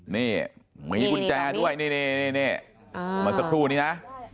นี่มีกุญแจด้วยมาสักครู่นี้นะ